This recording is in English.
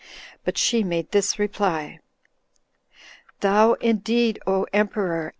But she made this reply: "Thou, indeed, O emperor!